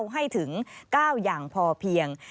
ให้ถึง๙อย่างพอเพียง